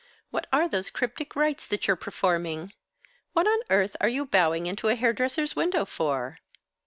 "What are those cryptic rites that you're performing? What on earth are you bowing into a hairdresser's window for?"